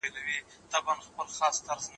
پوهېدل چي د منلو هر گز نه دي